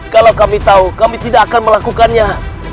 kalau kami tahu kami tidak akan melakukannya